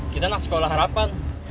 kita anak sekolah harapan